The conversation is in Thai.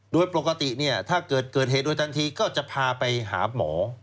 โดยปกติถ้าเกิดเหตุโดยทันทีก็จะพาไปหาหมอ